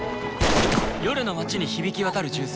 「夜の街に響き渡る銃声。